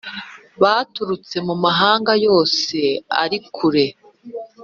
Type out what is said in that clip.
baturutse mu mahanga yose ari kure